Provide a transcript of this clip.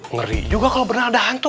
ngeri juga kalau benar ada hantu